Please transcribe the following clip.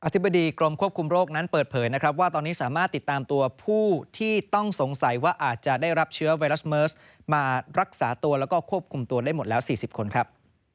ธิบดีกรมควบคุมโรคนั้นเปิดเผยนะครับว่าตอนนี้สามารถติดตามตัวผู้ที่ต้องสงสัยว่าอาจจะได้รับเชื้อไวรัสเมิร์สมารักษาตัวแล้วก็ควบคุมตัวได้หมดแล้ว๔๐คนครับ